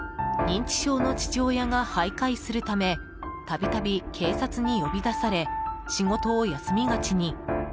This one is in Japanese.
認知症の父親が徘徊するためたびたび警察に呼び出され仕事を休みがちに。